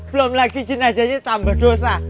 belum lagi jenajahnya tambah dosa